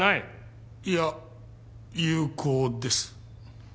いや有効です。